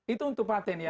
itu untuk patent ya